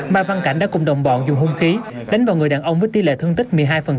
mai văn cảnh đã cùng đồng bọn dùng hung khí đánh vào người đàn ông với tỷ lệ thương tích một mươi hai